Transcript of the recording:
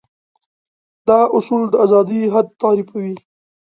دا اصول د ازادي حد تعريفوي.